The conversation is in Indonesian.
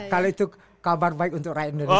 kalau itu kabar baik untuk rakyat indonesia